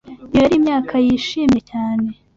Iyo yari imyaka yishimye cyane.